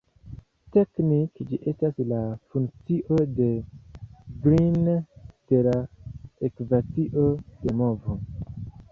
Teknike, ĝi estas la funkcio de Green de la ekvacio de movo.